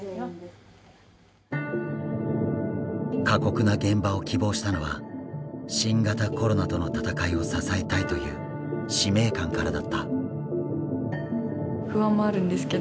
過酷な現場を希望したのは新型コロナとの闘いを支えたいという使命感からだった。